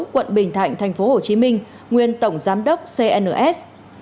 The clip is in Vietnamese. quận bình thạnh tp hcm nguyên tổng giám đốc cns